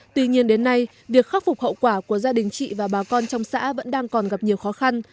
tuy nhiên đến nay việc khắc phục hậu quả của gia đình chị và bà con trong xã vẫn đang còn gặp nhiều khó khăn